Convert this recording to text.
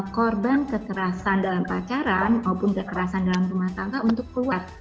korban kekerasan dalam pacaran maupun kekerasan dalam rumah tangga untuk keluar